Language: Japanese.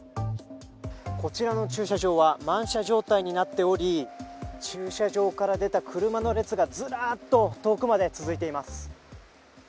こちらの駐車場は満車状態になっており、駐車場から出た車の列がずらっと遠くまで続いています。